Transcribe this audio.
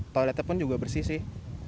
toiletnya pun juga bersih sih